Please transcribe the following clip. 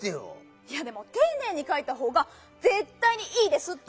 いやでもていねいにかいたほうがぜったいにいいですって！